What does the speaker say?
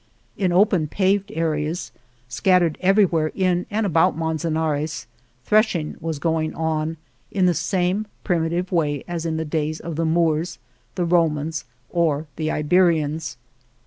In open paved areas, scattered everywhere in and about Manzanares, threshing was going on in the same primitive way as in the days of the Moors, the Romans, or the Iberians.